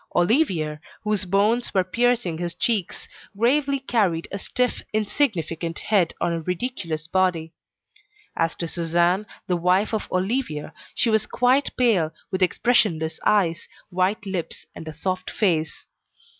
Olivier, whose bones were piercing his cheeks, gravely carried a stiff, insignificant head on a ridiculous body; as to Suzanne, the wife of Olivier, she was quite pale, with expressionless eyes, white lips, and a soft face.